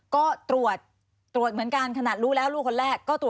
ก็ตรวจเหมือนกันขนาดรู้แล้วลูกคนแรก